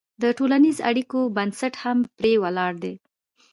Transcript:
د ټولنیزو اړیکو بنسټ هم پرې ولاړ دی.